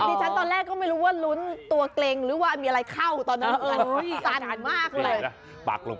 ถือฉันตอนแรกไม่รู้ว่ารุ้นตัวกลิ่นหรือมีอะไรเข้าตอนหนึ่ง